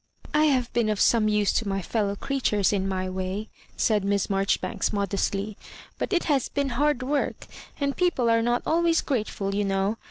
" I have been of some use to my fellow crea tures in my way," said Miss Marjoribanks mod estly, "but it has been hard work, and peo ple are not always grateful, you know.